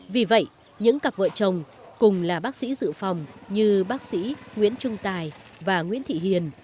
vì vậy những cặp vợ chồng cùng là bác sĩ dự phòng như bác sĩ nguyễn trung tài và nguyễn thị hiền